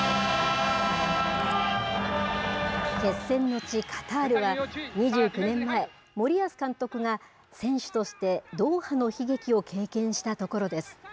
決戦の地、カタールは２９年前、森保監督が選手としてドーハの悲劇を経験したところです。